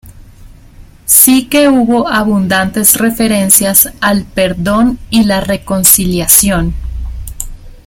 Sí que hubo abundantes referencias al perdón y la reconciliación.